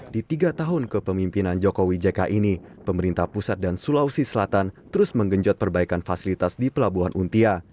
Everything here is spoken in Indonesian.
di tiga tahun kepemimpinan jokowi jk ini pemerintah pusat dan sulawesi selatan terus menggenjot perbaikan fasilitas di pelabuhan untia